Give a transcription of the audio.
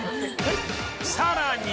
さらに